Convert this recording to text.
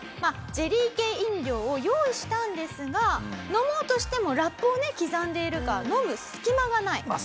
ゼリー系飲料を用意したんですが飲もうとしてもラップを刻んでいるから飲む隙間がない。